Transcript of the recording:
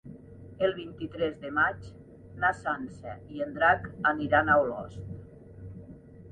El vint-i-tres de maig na Sança i en Drac aniran a Olost.